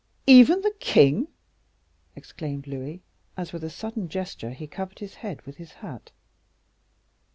"Even from the king!" exclaimed Louis, as, with a sudden gesture, he covered his head with his hat.